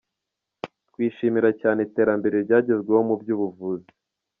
Twishimira cyane iterambere ryagezweho mu by’ubuvuzi.